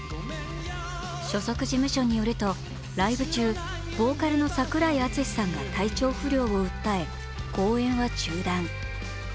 所属事務所によるとライブ中、ボーカルの櫻井敦司さんが体調不良を訴え、公演は中断。